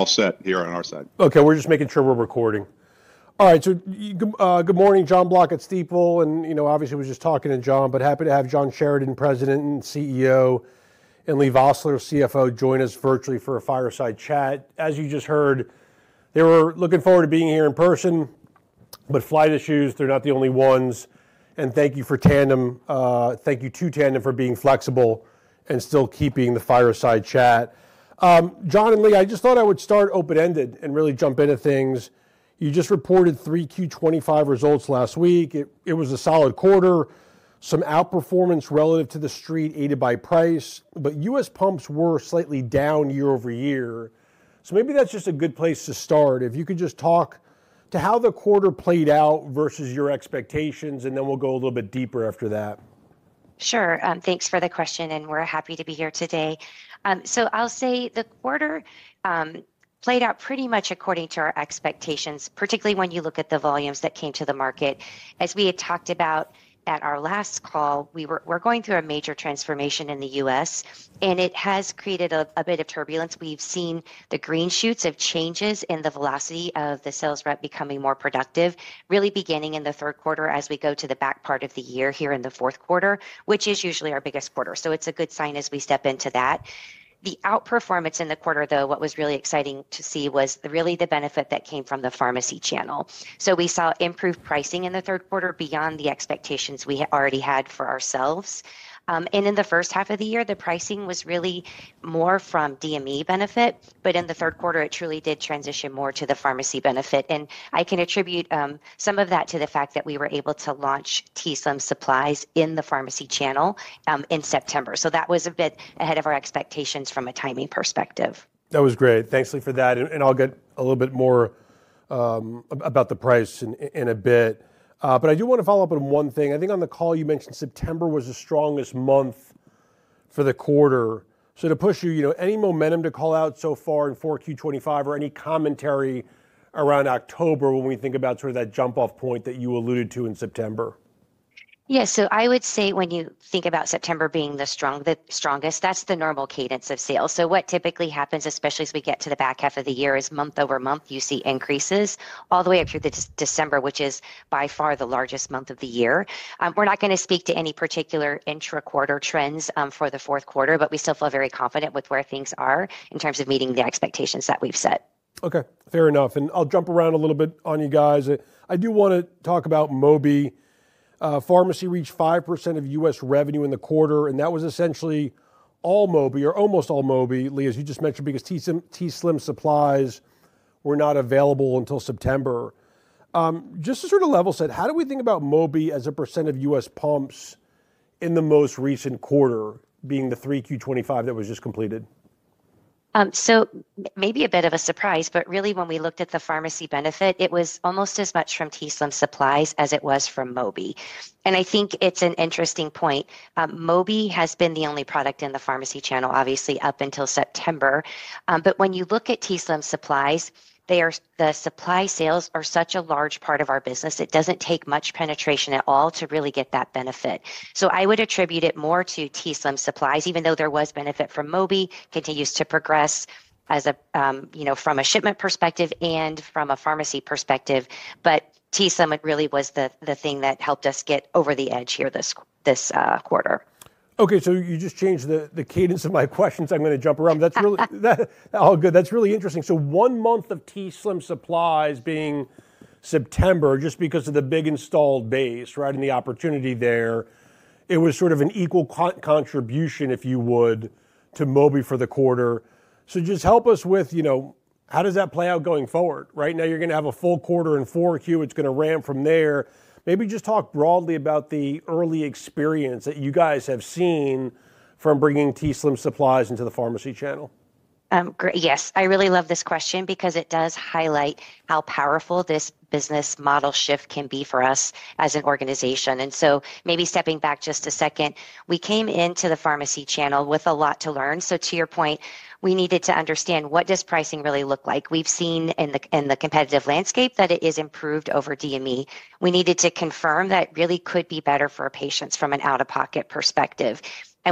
All set here on our side. Okay, we're just making sure we're recording. All right, good morning, John Block at Stifel. And, you know, obviously we're just talking to John, but happy to have John Sheridan, President and CEO, and Leigh Vosseller, CFO, join us virtually for a fireside chat. As you just heard, they were looking forward to being here in person, but flight issues, they're not the only ones. Thank you to Tandem, thank you to Tandem for being flexible and still keeping the fireside chat. John and Leigh, I just thought I would start open-ended and really jump into things. You just reported Q3 2025 results last week. It was a solid quarter, some outperformance relative to the street aided by price, but U.S. pumps were slightly down year-over-year. Maybe that's just a good place to start. If you could just talk to how the quarter played out versus your expectations, and then we'll go a little bit deeper after that. Sure, thanks for the question, and we're happy to be here today. I'll say the quarter played out pretty much according to our expectations, particularly when you look at the volumes that came to the market. As we had talked about at our last call, we're going through a major transformation in the U.S., and it has created a bit of turbulence. We've seen the green shoots of changes in the velocity of the sales rep becoming more productive, really beginning in the third quarter as we go to the back part of the year here in the fourth quarter, which is usually our biggest quarter. It's a good sign as we step into that. The outperformance in the quarter, though, what was really exciting to see was really the benefit that came from the pharmacy channel. We saw improved pricing in the third quarter beyond the expectations we already had for ourselves. In the first half of the year, the pricing was really more from DME benefit, but in the third quarter, it truly did transition more to the pharmacy benefit. I can attribute some of that to the fact that we were able to launch t:slim supplies in the pharmacy channel in September. That was a bit ahead of our expectations from a timing perspective. That was great. Thanks, Leigh, for that. I'll get a little bit more about the price in a bit. I do want to follow up on one thing. I think on the call, you mentioned September was the strongest month for the quarter. To push you, you know, any momentum to call out so far in Q4 2025 or any commentary around October when we think about sort of that jump-off point that you alluded to in September? Yeah, so I would say when you think about September being the strongest, that's the normal cadence of sales. What typically happens, especially as we get to the back half of the year, is month-over-month, you see increases all the way up through December, which is by far the largest month of the year. We're not going to speak to any particular intra-quarter trends for the fourth quarter, but we still feel very confident with where things are in terms of meeting the expectations that we've set. Okay, fair enough. I'll jump around a little bit on you guys. I do want to talk about Mobi. Pharmacy reached 5% of U.S. revenue in the quarter, and that was essentially all Mobi or almost all Mobi, Leigh, as you just mentioned, because t:slim supplies were not available until September. Just to sort of level set, how do we think about Mobi as a percent of U.S. pumps in the most recent quarter being the three Q 2025 that was just completed? Maybe a bit of a surprise, but really when we looked at the pharmacy benefit, it was almost as much from t:slim supplies as it was from Mobi. I think it's an interesting point. Mobi has been the only product in the pharmacy channel, obviously, up until September. When you look at t:slim supplies, the supply sales are such a large part of our business, it doesn't take much penetration at all to really get that benefit. I would attribute it more to t:slim supplies, even though there was benefit from Mobi, continues to progress as a, you know, from a shipment perspective and from a pharmacy perspective. t:slim really was the thing that helped us get over the edge here this quarter. Okay, so you just changed the cadence of my questions. I'm going to jump around. That's really all good. That's really interesting. So one month of t:slim supplies being September, just because of the big installed base, right, and the opportunity there, it was sort of an equal contribution, if you would, to Mobi for the quarter. So just help us with, you know, how does that play out going forward? Right now, you're going to have a full quarter in Q4. It's going to ramp from there. Maybe just talk broadly about the early experience that you guys have seen from bringing t:slim supplies into the pharmacy channel? Yes, I really love this question because it does highlight how powerful this business model shift can be for us as an organization. Maybe stepping back just a second, we came into the pharmacy channel with a lot to learn. To your point, we needed to understand what does pricing really look like. We've seen in the competitive landscape that it is improved over DME. We needed to confirm that really could be better for patients from an out-of-pocket perspective.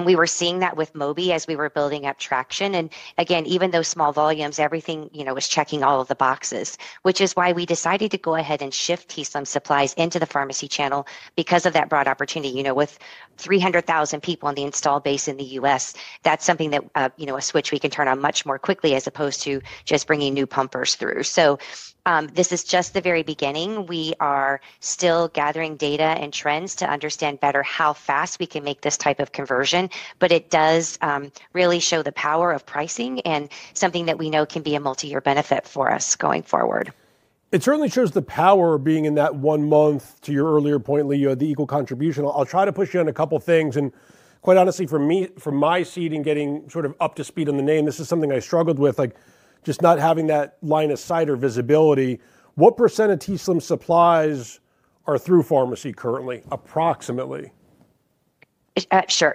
We were seeing that with Mobi as we were building up traction. Again, even though small volumes, everything, you know, was checking all of the boxes, which is why we decided to go ahead and shift t:slim supplies into the pharmacy channel because of that broad opportunity. You know, with 300,000 people on the installed base in the U.S., that's something that, you know, a switch we can turn on much more quickly as opposed to just bringing new pumpers through. This is just the very beginning. We are still gathering data and trends to understand better how fast we can make this type of conversion, but it does really show the power of pricing and something that we know can be a multi-year benefit for us going forward. It certainly shows the power of being in that one month to your earlier point, Leigh, of the equal contribution. I'll try to push you on a couple of things. And quite honestly, for me, from my seat and getting sort of up to speed on the name, this is something I struggled with, like just not having that line of sight or visibility. What percent of t:slim supplies are through pharmacy currently, approximately? Sure.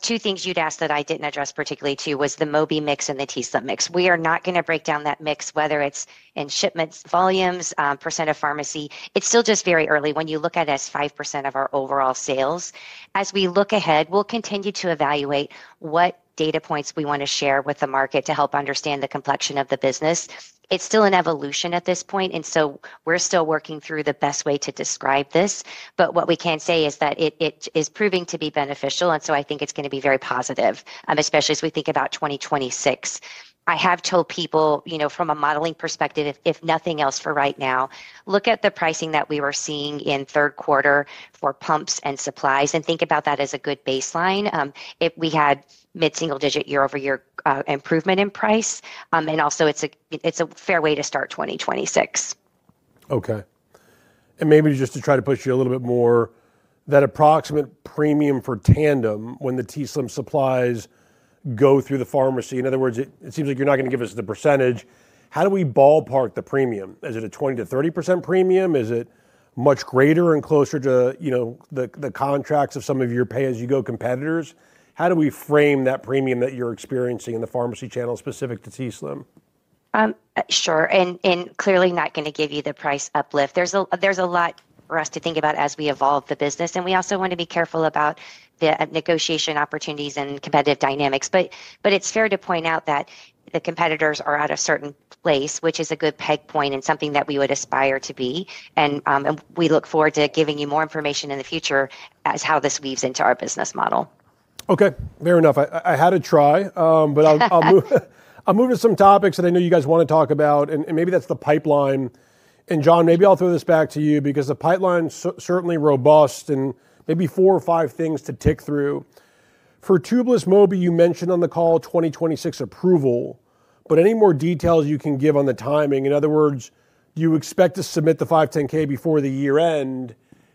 Two things you'd asked that I didn't address particularly too was the Mobi mix and the t:slim mix. We are not going to break down that mix, whether it's in shipments, volumes, % of pharmacy. It's still just very early when you look at it as 5% of our overall sales. As we look ahead, we'll continue to evaluate what data points we want to share with the market to help understand the complexion of the business. It's still an evolution at this point. We are still working through the best way to describe this. What we can say is that it is proving to be beneficial. I think it's going to be very positive, especially as we think about 2026. I have told people, you know, from a modeling perspective, if nothing else for right now, look at the pricing that we were seeing in third quarter for pumps and supplies and think about that as a good baseline. We had mid-single-digit year-over-year improvement in price. Also, it's a fair way to start 2026. Okay. Maybe just to try to push you a little bit more, that approximate premium for Tandem when the t:slim supplies go through the pharmacy, in other words, it seems like you're not going to give us the percentage. How do we ballpark the premium? Is it a 20-30% premium? Is it much greater and closer to, you know, the contracts of some of your pay-as-you-go competitors? How do we frame that premium that you're experiencing in the pharmacy channel specific to t:slim? Sure. Clearly not going to give you the price uplift. There is a lot for us to think about as we evolve the business. We also want to be careful about the negotiation opportunities and competitive dynamics. It is fair to point out that the competitors are at a certain place, which is a good peg point and something that we would aspire to be. We look forward to giving you more information in the future as how this weaves into our business model. Okay, fair enough. I had a try, but I'll move to some topics that I know you guys want to talk about. Maybe that's the pipeline. John, maybe I'll throw this back to you because the pipeline is certainly robust and maybe four or five things to tick through. For tubeless Mobi, you mentioned on the call 2026 approval, but any more details you can give on the timing? In other words, do you expect to submit the 510(k) before the year end?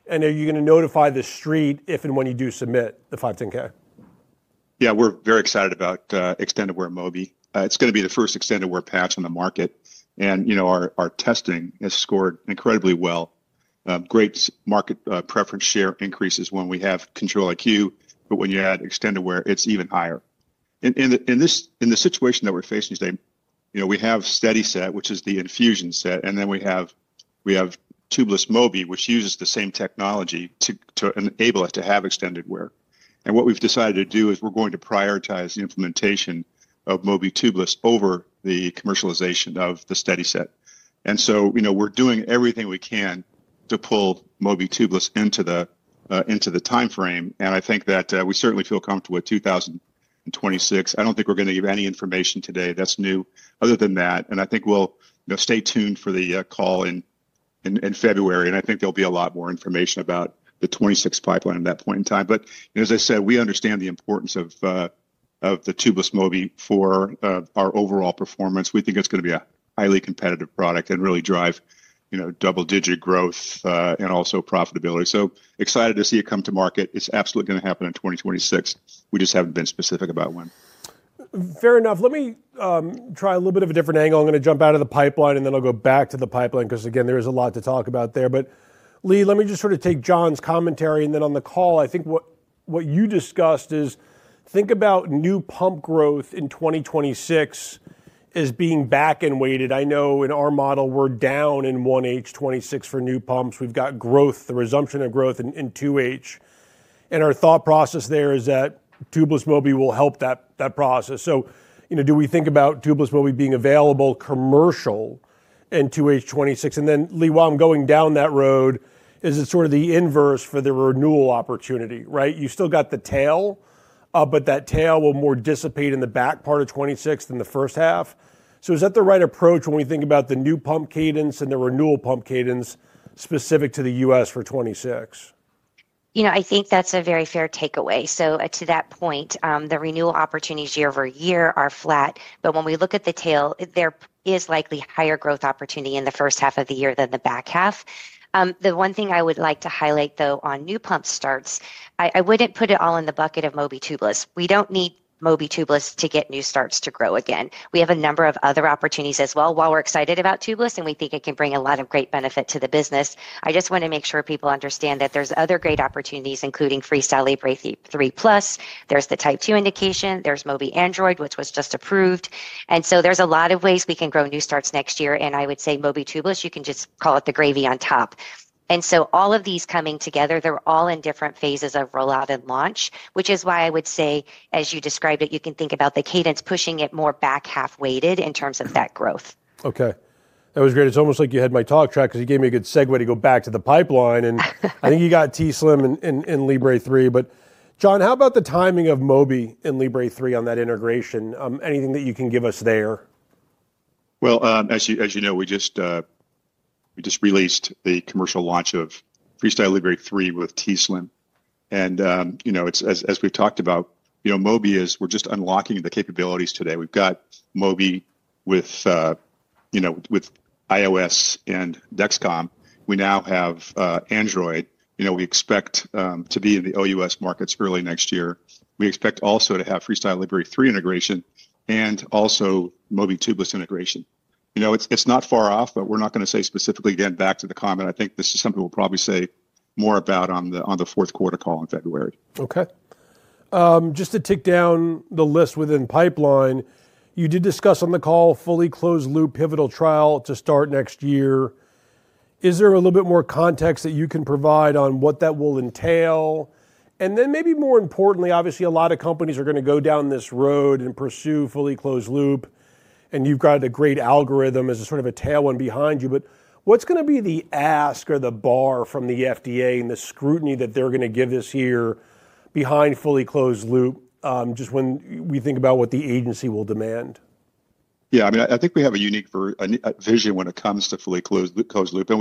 Are you going to notify the street if and when you do submit the 510(k)? Yeah, we're very excited about extended wear Mobi. It's going to be the first extended wear patch on the market. And, you know, our testing has scored incredibly well. Great market preference share increases when we have Control-IQ, but when you add extended wear, it's even higher. In the situation that we're facing today, you know, we have SteadiSet, which is the infusion set, and then we have tubeless Mobi, which uses the same technology to enable us to have extended wear. What we've decided to do is we're going to prioritize the implementation of Mobi tubeless over the commercialization of the SteadiSet. You know, we're doing everything we can to pull Mobi tubeless into the timeframe. I think that we certainly feel comfortable with 2026. I don't think we're going to give any information today that's new other than that. I think we'll stay tuned for the call in February. I think there'll be a lot more information about the 2026 pipeline at that point in time. As I said, we understand the importance of the tubeless Mobi for our overall performance. We think it's going to be a highly competitive product and really drive, you know, double-digit growth and also profitability. Excited to see it come to market. It's absolutely going to happen in 2026. We just haven't been specific about when. Fair enough. Let me try a little bit of a different angle. I'm going to jump out of the pipeline and then I'll go back to the pipeline because, again, there is a lot to talk about there. But Leigh, let me just sort of take John's commentary. And then on the call, I think what you discussed is think about new pump growth in 2026 as being back and weighted. I know in our model, we're down in 1H26 for new pumps. We've got growth, the resumption of growth in 2H. And our thought process there is that tubeless Mobi will help that process. So, you know, do we think about tubeless Mobi being available commercial in 2H26? And then, Leigh, while I'm going down that road, is it sort of the inverse for the renewal opportunity, right? You still got the tail, but that tail will more dissipate in the back part of 2026 than the first half. Is that the right approach when we think about the new pump cadence and the renewal pump cadence specific to the U.S. for 2026? You know, I think that's a very fair takeaway. To that point, the renewal opportunities year-over-year are flat. When we look at the tail, there is likely higher growth opportunity in the first half of the year than the back half. The one thing I would like to highlight, though, on new pump starts, I would not put it all in the bucket of Mobi tubeless. We do not need Mobi tubeless to get new starts to grow again. We have a number of other opportunities as well. While we are excited about tubeless and we think it can bring a lot of great benefit to the business, I just want to make sure people understand that there are other great opportunities, including FreeStyle Libre 3 plus. There is the Type-2 indication. There is Mobi Android, which was just approved. There are a lot of ways we can grow new starts next year. I would say Mobi tubeless, you can just call it the gravy on top. All of these coming together, they are all in different phases of rollout and launch, which is why I would say, as you described it, you can think about the cadence pushing it more back half weighted in terms of that growth. Okay. That was great. It's almost like you had my talk track because you gave me a good segue to go back to the pipeline. I think you got t:slim in Libre 3. John, how about the timing of Mobi in Libre 3 on that integration? Anything that you can give us there? As you know, we just released the commercial launch of FreeStyle Libre 3 with t:slim. You know, as we've talked about, Mobi is, we're just unlocking the capabilities today. We've got Mobi with, you know, with iOS and Dexcom. We now have Android. You know, we expect to be in the OUS markets early next year. We expect also to have FreeStyle Libre 3 integration and also Mobi tubeless integration. You know, it's not far off, but we're not going to say specifically again back to the comment. I think this is something we'll probably say more about on the fourth quarter call in February. Okay. Just to tick down the list within pipeline, you did discuss on the call fully closed loop pivotal trial to start next year. Is there a little bit more context that you can provide on what that will entail? Maybe more importantly, obviously, a lot of companies are going to go down this road and pursue fully closed loop. You have got a great algorithm as a sort of a tailwind behind you. What is going to be the ask or the bar from the FDA and the scrutiny that they are going to give this year behind fully closed loop just when we think about what the agency will demand? Yeah, I mean, I think we have a unique vision when it comes to fully closed loop.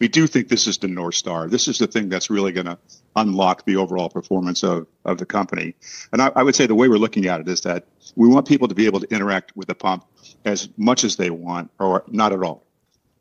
We do think this is the North Star. This is the thing that's really going to unlock the overall performance of the company. I would say the way we're looking at it is that we want people to be able to interact with a pump as much as they want or not at all.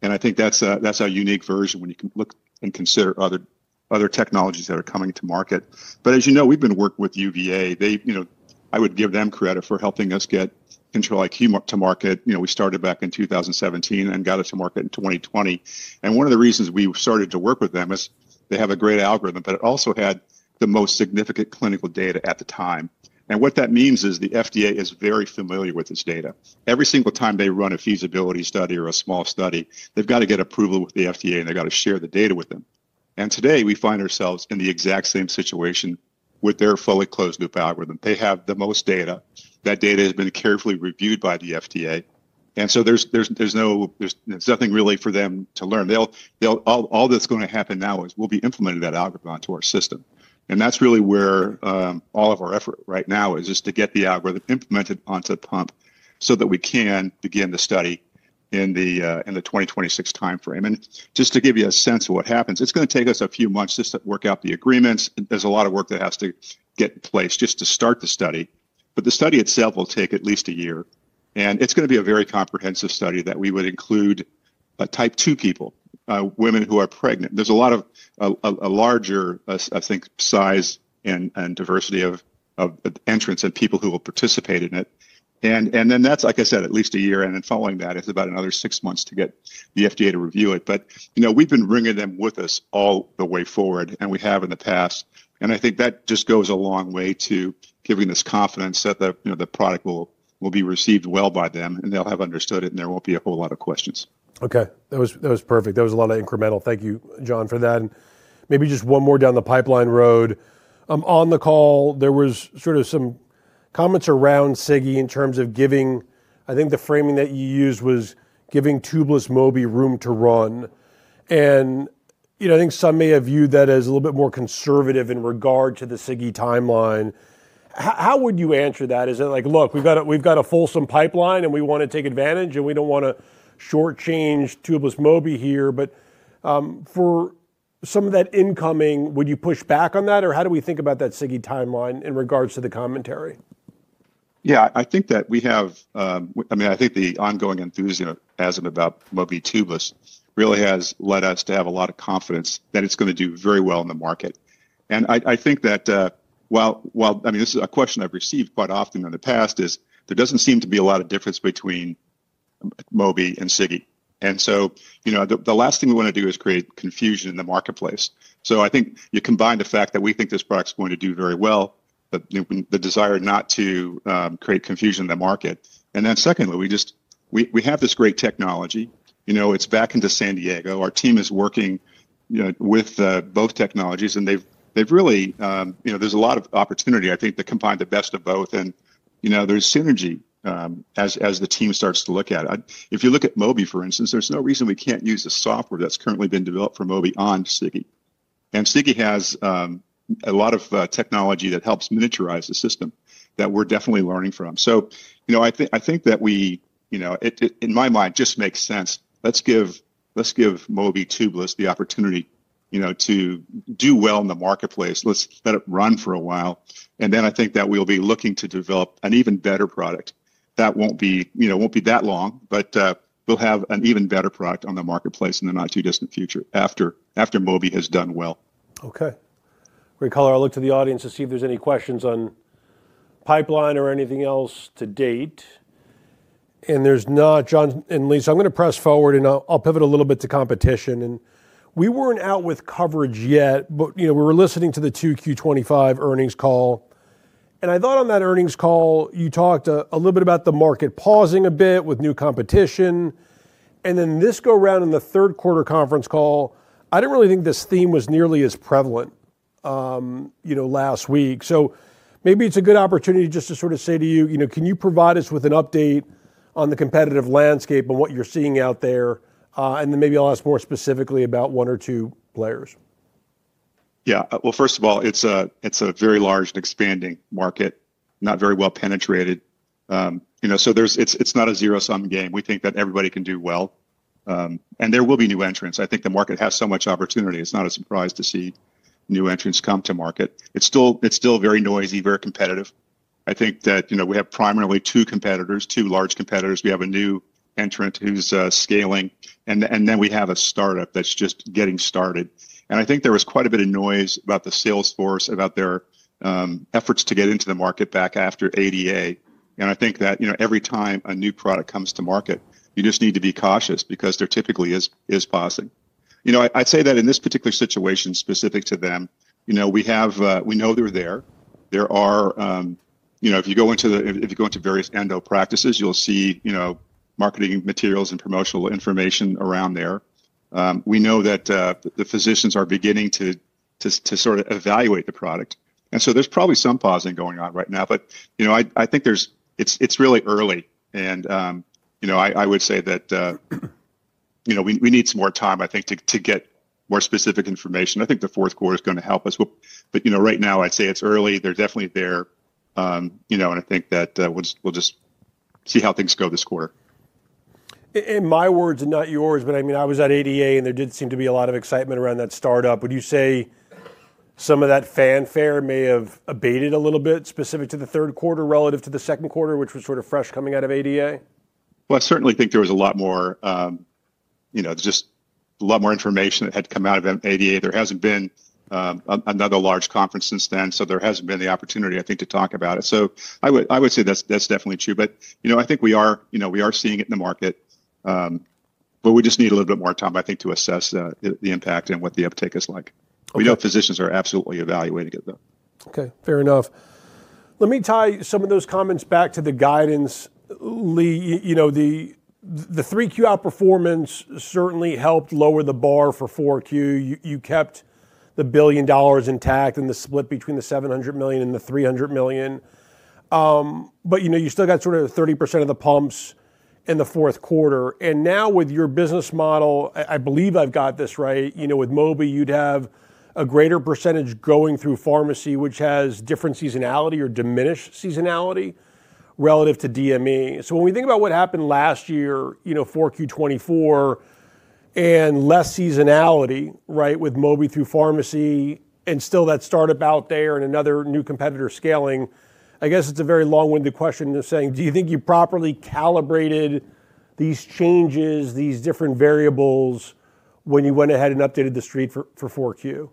I think that's a unique version when you can look and consider other technologies that are coming to market. As you know, we've been working with UVA. They, you know, I would give them credit for helping us get Control-IQ to market. We started back in 2017 and got it to market in 2020. One of the reasons we started to work with them is they have a great algorithm, but it also had the most significant clinical data at the time. What that means is the FDA is very familiar with this data. Every single time they run a feasibility study or a small study, they have to get approval with the FDA and they have to share the data with them. Today we find ourselves in the exact same situation with their fully closed loop algorithm. They have the most data. That data has been carefully reviewed by the FDA. There is nothing really for them to learn. All that is going to happen now is we will be implementing that algorithm onto our system. That's really where all of our effort right now is, is to get the algorithm implemented onto the pump so that we can begin the study in the 2026 timeframe. Just to give you a sense of what happens, it's going to take us a few months just to work out the agreements. There's a lot of work that has to get in place just to start the study. The study itself will take at least a year. It's going to be a very comprehensive study that we would include Type-2 people, women who are pregnant. There's a lot of a larger, I think, size and diversity of entrants and people who will participate in it. That's, like I said, at least a year. Following that, it's about another six months to get the FDA to review it. You know, we've been bringing them with us all the way forward and we have in the past. I think that just goes a long way to giving this confidence that the product will be received well by them and they'll have understood it and there won't be a whole lot of questions. Okay. That was perfect. That was a lot of incremental. Thank you, John, for that. Maybe just one more down the pipeline road. On the call, there were sort of some comments around SIGGI in terms of giving, I think the framing that you used was giving tubeless Mobi room to run. You know, I think some may have viewed that as a little bit more conservative in regard to the SIGGI timeline. How would you answer that? Is it like, look, we've got a fulsome pipeline and we want to take advantage and we don't want to shortchange tubeless Mobi here. For some of that incoming, would you push back on that or how do we think about that SIGGI timeline in regards to the commentary? Yeah, I think that we have, I mean, I think the ongoing enthusiasm about Mobi tubeless really has led us to have a lot of confidence that it's going to do very well in the market. I think that, I mean, this is a question I've received quite often in the past, is there doesn't seem to be a lot of difference between Mobi and SIGGI. You know, the last thing we want to do is create confusion in the marketplace. I think you combine the fact that we think this product's going to do very well, the desire not to create confusion in the market, and then secondly, we just, we have this great technology. You know, it's back into San Diego.Our team is working with both technologies and they've really, you know, there's a lot of opportunity, I think, to combine the best of both. You know, there's synergy as the team starts to look at it. If you look at Mobi, for instance, there's no reason we can't use the software that's currently been developed for Mobi on SIGGI. SIGGI has a lot of technology that helps miniaturize the system that we're definitely learning from. You know, I think that we, you know, in my mind, it just makes sense. Let's give Mobi tubeless the opportunity, you know, to do well in the marketplace. Let's let it run for a while. I think that we'll be looking to develop an even better product that won't be, you know, won't be that long, but we'll have an even better product on the marketplace in the not too distant future after Mobi has done well. Okay. We're going to call our look to the audience to see if there's any questions on pipeline or anything else to date. There's not, John and Leigh, so I'm going to press forward and I'll pivot a little bit to competition. We were not out with coverage yet, but, you know, we were listening to the 2Q 2025 earnings call. I thought on that earnings call, you talked a little bit about the market pausing a bit with new competition. This go round in the third quarter conference call, I did not really think this theme was nearly as prevalent, you know, last week. Maybe it's a good opportunity just to sort of say to you, you know, can you provide us with an update on the competitive landscape and what you're seeing out there? Maybe I'll ask more specifically about one or two players. Yeah. First of all, it's a very large and expanding market, not very well penetrated. You know, it's not a zero-sum game. We think that everybody can do well. There will be new entrants. I think the market has so much opportunity. It's not a surprise to see new entrants come to market. It's still very noisy, very competitive. I think that, you know, we have primarily two competitors, two large competitors. We have a new entrant who's scaling. We have a startup that's just getting started. I think there was quite a bit of noise about the Salesforce, about their efforts to get into the market back after ADA. I think that, you know, every time a new product comes to market, you just need to be cautious because there typically is pausing. You know, I'd say that in this particular situation specific to them, you know, we know they're there. There are, you know, if you go into various endo practices, you'll see, you know, marketing materials and promotional information around there. We know that the physicians are beginning to sort of evaluate the product. There's probably some pausing going on right now. You know, I think it's really early. You know, I would say that, you know, we need some more time, I think, to get more specific information. I think the fourth quarter is going to help us. You know, right now, I'd say it's early. They're definitely there. You know, I think that we'll just see how things go this quarter. In my words and not yours, but I mean, I was at ADA and there did seem to be a lot of excitement around that startup. Would you say some of that fanfare may have abated a little bit specific to the third quarter relative to the second quarter, which was sort of fresh coming out of ADA? I certainly think there was a lot more, you know, just a lot more information that had come out of ADA. There has not been another large conference since then. There has not been the opportunity, I think, to talk about it. I would say that is definitely true. But, you know, I think we are, you know, we are seeing it in the market. We just need a little bit more time, I think, to assess the impact and what the uptake is like. We know physicians are absolutely evaluating it, though. Okay. Fair enough. Let me tie some of those comments back to the guidance. Leigh, you know, the 3Q outperformance certainly helped lower the bar for 4Q. You kept the billion dollars intact and the split between the $700 million and the $300 million. You know, you still got sort of 30% of the pumps in the fourth quarter. Now with your business model, I believe I've got this right, you know, with Mobi, you'd have a greater percentage going through pharmacy, which has different seasonality or diminished seasonality relative to DME. When we think about what happened last year, you know, Q4 2024 and less seasonality, right, with Mobi through pharmacy and still that startup out there and another new competitor scaling, I guess it's a very long-winded question of saying, do you think you properly calibrated these changes, these different variables when you went ahead and updated the street for Q4?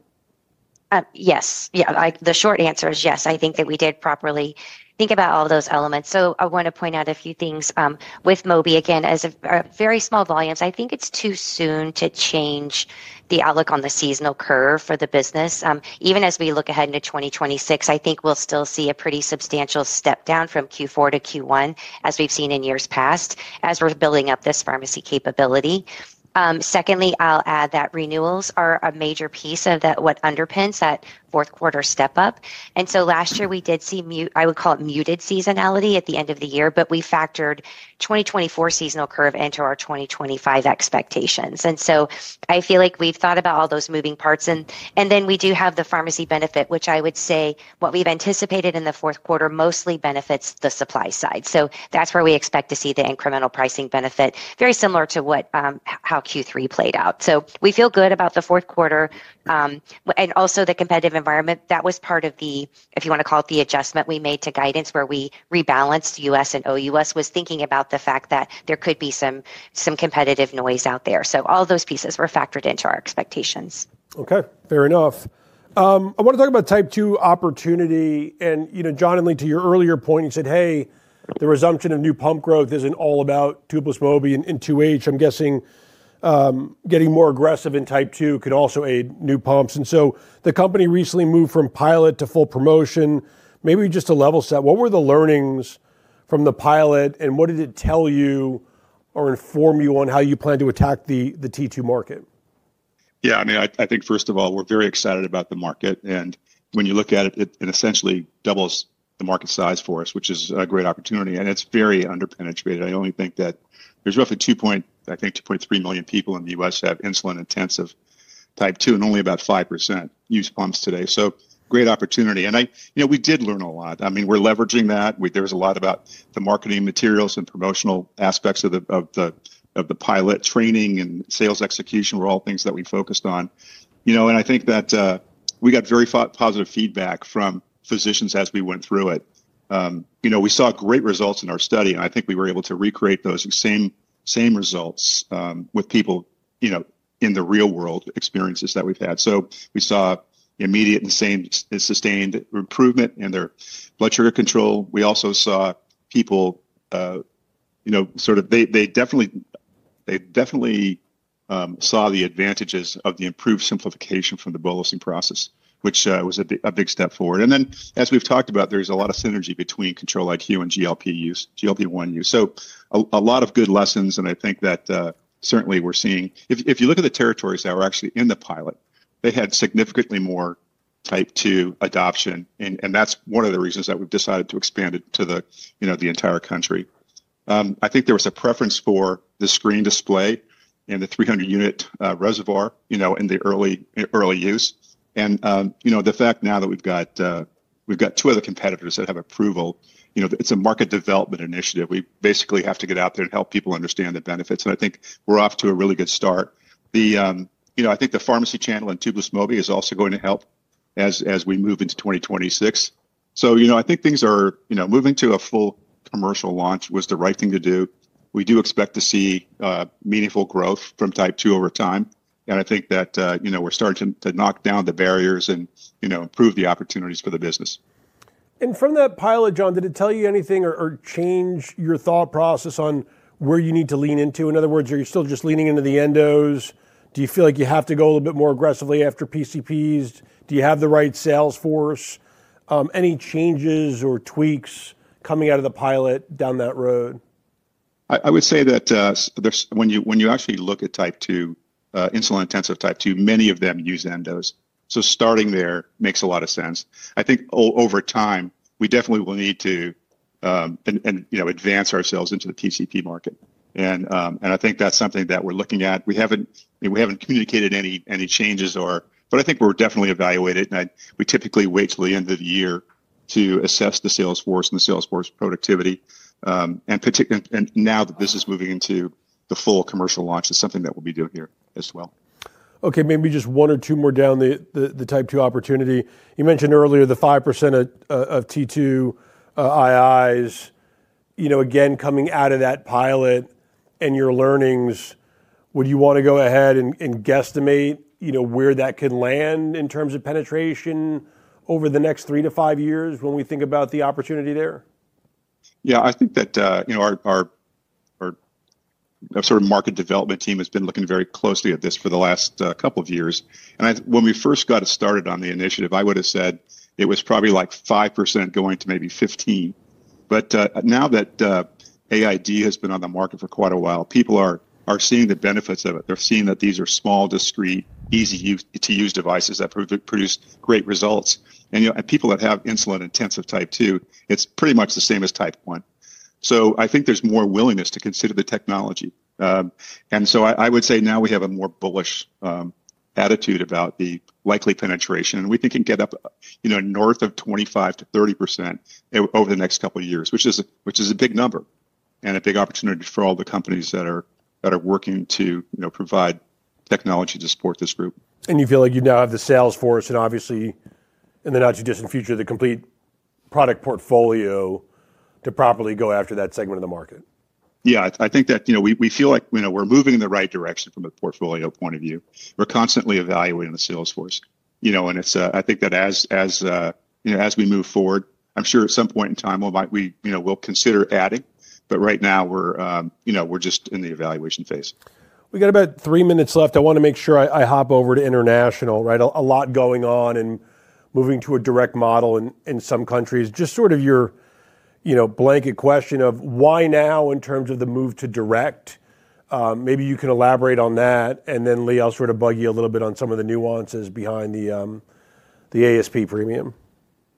Yes. Yeah. The short answer is yes. I think that we did properly think about all those elements. I want to point out a few things with Mobi. Again, as very small volumes, I think it's too soon to change the outlook on the seasonal curve for the business. Even as we look ahead into 2026, I think we'll still see a pretty substantial step down from Q4 to Q1 as we've seen in years past as we're building up this pharmacy capability. Secondly, I'll add that renewals are a major piece of what underpins that fourth quarter step up. Last year we did see, I would call it muted seasonality at the end of the year, but we factored 2024 seasonal curve into our 2025 expectations. I feel like we've thought about all those moving parts. We do have the pharmacy benefit, which I would say what we've anticipated in the fourth quarter mostly benefits the supply side. That is where we expect to see the incremental pricing benefit, very similar to how Q3 played out. We feel good about the fourth quarter and also the competitive environment. That was part of the, if you want to call it, the adjustment we made to guidance where we rebalanced US and OUS, thinking about the fact that there could be some competitive noise out there. All those pieces were factored into our expectations. Okay. Fair enough. I want to talk about Type-2 opportunity. And, you know, John and Leigh, to your earlier point, you said, hey, the resumption of new pump growth isn't all about tubeless Mobi and 2H. I'm guessing getting more aggressive in Type-2 could also aid new pumps. The company recently moved from pilot to full promotion, maybe just a level set. What were the learnings from the pilot and what did it tell you or inform you on how you plan to attack the T2 market? Yeah. I mean, I think first of all, we're very excited about the market. When you look at it, it essentially doubles the market size for us, which is a great opportunity. It's very underpenetrated. I only think that there's roughly 2.3 million people in the U.S. who have insulin-intensive Type-2 and only about 5% use pumps today. Great opportunity. I, you know, we did learn a lot. I mean, we're leveraging that. There was a lot about the marketing materials and promotional aspects of the pilot. Training and sales execution were all things that we focused on. You know, I think that we got very positive feedback from physicians as we went through it. You know, we saw great results in our study and I think we were able to recreate those same results with people, you know, in the real world experiences that we've had. We saw immediate and sustained improvement in their blood sugar control. We also saw people, you know, sort of they definitely saw the advantages of the improved simplification from the bolusing process, which was a big step forward. As we've talked about, there's a lot of synergy between Control-IQ and GLP-1 use. A lot of good lessons and I think that certainly we're seeing. If you look at the territories that were actually in the pilot, they had significantly more Type-2 adoption. That's one of the reasons that we've decided to expand it to the entire country. I think there was a preference for the screen display and the 300-unit reservoir, you know, in the early use. And, you know, the fact now that we've got two other competitors that have approval, you know, it's a market development initiative. We basically have to get out there and help people understand the benefits. I think we're off to a really good start. You know, I think the pharmacy channel and tubeless Mobi is also going to help as we move into 2026. You know, I think things are, you know, moving to a full commercial launch was the right thing to do. We do expect to see meaningful growth from Type-2 over time. I think that, you know, we're starting to knock down the barriers and, you know, improve the opportunities for the business. From that pilot, John, did it tell you anything or change your thought process on where you need to lean into? In other words, are you still just leaning into the endos? Do you feel like you have to go a little bit more aggressively after PCPs? Do you have the right sales force? Any changes or tweaks coming out of the pilot down that road? I would say that when you actually look at Type-2, insulin-intensive Type-2, many of them use endos. Starting there makes a lot of sense. I think over time, we definitely will need to, and, you know, advance ourselves into the PCP market. I think that's something that we're looking at. We haven't communicated any changes or, but I think we're definitely evaluated. We typically wait till the end of the year to assess the sales force and the sales force productivity. Now that this is moving into the full commercial launch, it's something that we'll be doing here as well. Okay. Maybe just one or two more down the Type-2 opportunity. You mentioned earlier the 5% of T2 IIs, you know, again, coming out of that pilot and your learnings, would you want to go ahead and guesstimate, you know, where that can land in terms of penetration over the next three to five years when we think about the opportunity there? Yeah. I think that, you know, our sort of market development team has been looking very closely at this for the last couple of years. When we first got started on the initiative, I would have said it was probably like 5% going to maybe 15%. Now that AID has been on the market for quite a while, people are seeing the benefits of it. They're seeing that these are small, discreet, easy-to-use devices that produce great results. You know, people that have insulin-intensive Type-2, it's pretty much the same as Type 1. I think there's more willingness to consider the technology. I would say now we have a more bullish attitude about the likely penetration. We think it can get up, you know, north of 25-30% over the next couple of years, which is a big number and a big opportunity for all the companies that are working to provide technology to support this group. You feel like you now have the sales force and obviously, in the not too distant future, the complete product portfolio to properly go after that segment of the market Yeah. I think that, you know, we feel like, you know, we're moving in the right direction from a portfolio point of view. We're constantly evaluating the sales force. You know, I think that as we move forward, I'm sure at some point in time, we'll consider adding. Right now, we're just in the evaluation phase. We got about three minutes left. I want to make sure I hop over to international, right? A lot going on and moving to a direct model in some countries. Just sort of your, you know, blanket question of why now in terms of the move to direct? Maybe you can elaborate on that. And then Leigh, I'll sort of bug you a little bit on some of the nuances behind the ASP premium.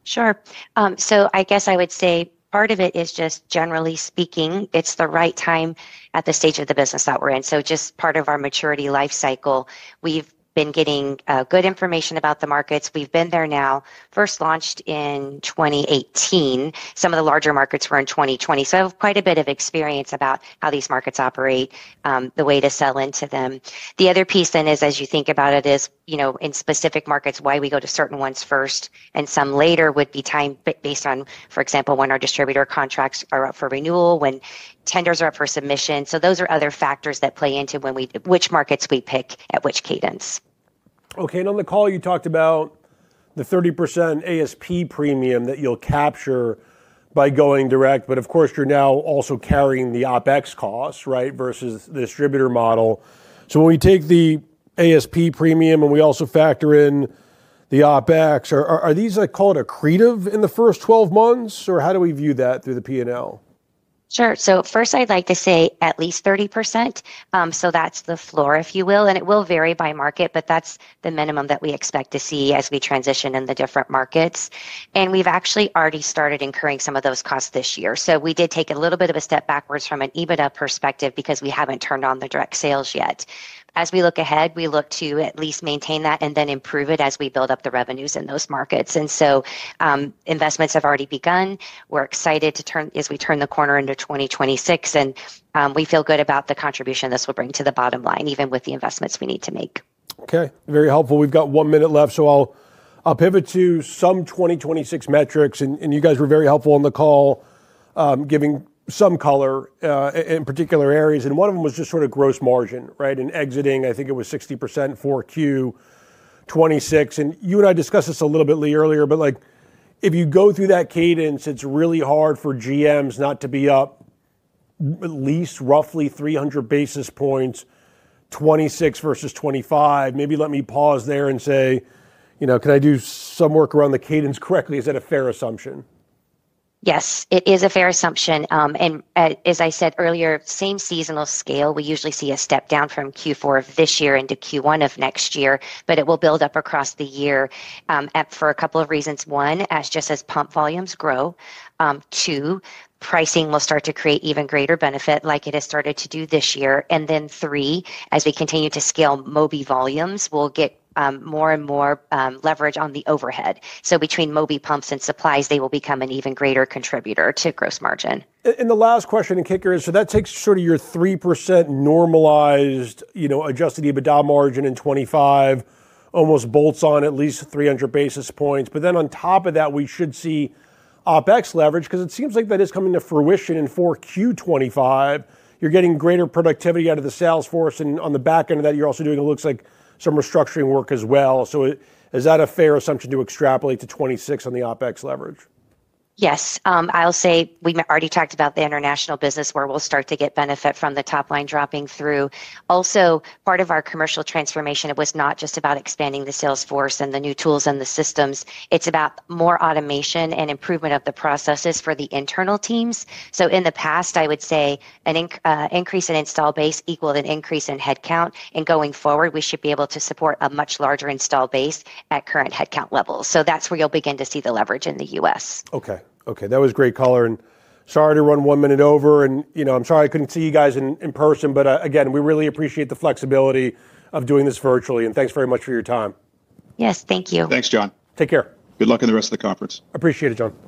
Sure. I guess I would say part of it is just generally speaking, it's the right time at the stage of the business that we're in. Just part of our maturity life cycle, we've been getting good information about the markets. We've been there now, first launched in 2018. Some of the larger markets were in 2020. Quite a bit of experience about how these markets operate, the way to sell into them. The other piece then is, as you think about it, in specific markets, why we go to certain ones first and some later would be time based on, for example, when our distributor contracts are up for renewal, when tenders are up for submission. Those are other factors that play into which markets we pick at which cadence. Okay. On the call, you talked about the 30% ASP premium that you'll capture by going direct. Of course, you're now also carrying the OPEX cost, right, versus the distributor model. When we take the ASP premium and we also factor in the OPEX, are these, I call it accretive in the first 12 months? How do we view that through the P&L? Sure. First, I'd like to say at least 30%. That's the floor, if you will. It will vary by market, but that's the minimum that we expect to see as we transition in the different markets. We've actually already started incurring some of those costs this year. We did take a little bit of a step backwards from an EBITDA perspective because we haven't turned on the direct sales yet. As we look ahead, we look to at least maintain that and then improve it as we build up the revenues in those markets. Investments have already begun. We're excited as we turn the corner into 2026. We feel good about the contribution this will bring to the bottom line, even with the investments we need to make. Okay. Very helpful. We've got one minute left. I'll pivot to some 2026 metrics. You guys were very helpful on the call giving some color in particular areas. One of them was just sort of gross margin, right? Exiting, I think it was 60% 4Q26. You and I discussed this a little bit, Leigh, earlier, but like if you go through that cadence, it's really hard for GMs not to be up at least roughly 300 basis points, 2026 versus 2025. Maybe let me pause there and say, you know, can I do some work around the cadence correctly? Is that a fair assumption? Yes, it is a fair assumption. As I said earlier, same seasonal scale, we usually see a step down from Q4 of this year into Q1 of next year, but it will build up across the year for a couple of reasons. One, just as pump volumes grow. Two, pricing will start to create even greater benefit like it has started to do this year. Three, as we continue to scale Mobi volumes, we will get more and more leverage on the overhead. Between Mobi pumps and supplies, they will become an even greater contributor to gross margin. The last question and kicker, so that takes sort of your 3% normalized, you know, adjusted EBITDA margin in 2025, almost bolts on at least 300 basis points. But then on top of that, we should see OPEX leverage because it seems like that is coming to fruition in Q4 2025. You're getting greater productivity out of the sales force. On the back end of that, you're also doing, it looks like, some restructuring work as well. Is that a fair assumption to extrapolate to 2026 on the OPEX leverage? Yes. I'll say we've already talked about the international business where we'll start to get benefit from the top line dropping through. Also, part of our commercial transformation, it was not just about expanding the sales force and the new tools and the systems. It's about more automation and improvement of the processes for the internal teams. In the past, I would say an increase in install base equaled an increase in headcount. Going forward, we should be able to support a much larger install base at current headcount levels. That's where you'll begin to see the leverage in the U.S. Okay. Okay. That was great color. Sorry to run one minute over. You know, I'm sorry I couldn't see you guys in person, but again, we really appreciate the flexibility of doing this virtually. Thanks very much for your time. Yes. Thank you. Thanks, John. Take care. Good luck in the rest of the conference. Appreciate it, John.